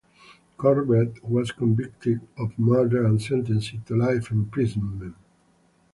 Corbett was convicted of murder and sentenced to life imprisonment.